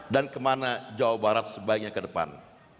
kemana jawa barat sebaiknya ke depan